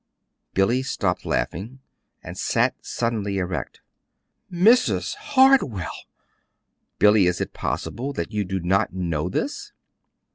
Billy stopped laughing, and sat suddenly erect. "MRS. HARTWELL!" "Billy, is it possible that you did not know this?"